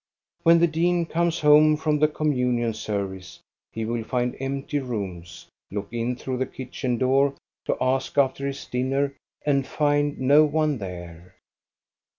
When the dean comes home from the communion service, he will find empty rooms, look in through the kitchen door to ask after his dinner and find no one there.